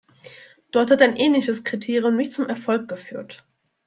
Dort hat ein ähnliches Kriterium nicht zum Erfolg geführt.